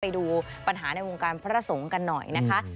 ไปดูปัญหาในวงการพระสงฆ์กันหน่อยนะคะ